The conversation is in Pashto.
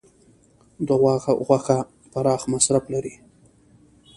د غوا غوښه پراخ مصرف لري.